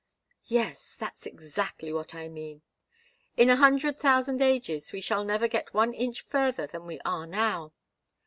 "Yes. That's exactly what I mean. In a hundred thousand ages we shall never get one inch further than we are now.